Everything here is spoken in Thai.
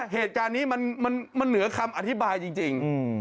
เหตุการณ์นี้มันเหนือคำอธิบายจริง